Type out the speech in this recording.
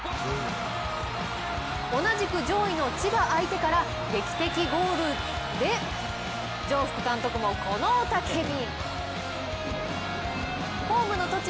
同じく上位の千葉相手から劇的ゴールで、城福監督もこの雄たけび。